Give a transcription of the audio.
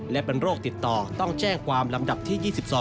และเป็นโรคติดต่อต้องแจ้งความลำดับที่๒๒